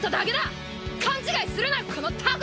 勘違いするなこのタコ！